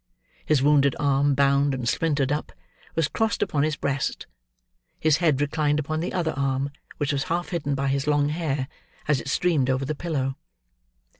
His wounded arm, bound and splintered up, was crossed upon his breast; his head reclined upon the other arm, which was half hidden by his long hair, as it streamed over the pillow.